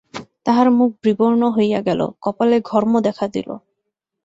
তাঁহার মুখ বিবর্ণ হইয়া গেল, কপালে ঘর্ম দেখা দিল।